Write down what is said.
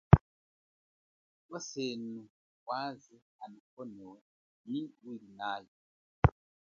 Thukwasenu waze anahona nyi ulinayo.